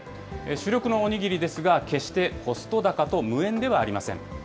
主力のお握りですが、決してコスト高と無縁ではありません。